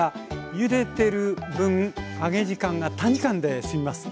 ゆでてる分揚げ時間が短時間で済みます。